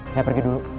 saya pergi dulu